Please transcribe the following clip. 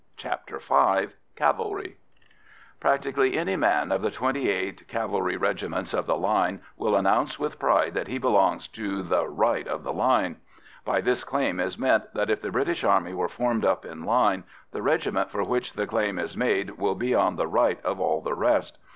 CHAPTER V CAVALRY Practically any man of the twenty eight cavalry regiments of the line will announce with pride that he belongs to the "right of the line." By this claim is meant that if the British Army were formed up in line, the regiment for which the claim is made will be on the right of all the rest.